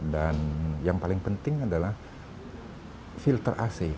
dan yang paling penting adalah filter ac